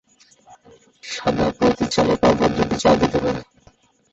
সাদা প্রতি চালে পরপর দুটি চাল দিতে পারে।